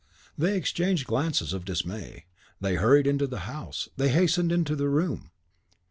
They exchanged glances of dismay. They hurried into the house; they hastened into the room.